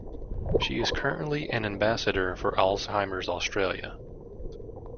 She is currently an ambassador for Alzheimer's Australia.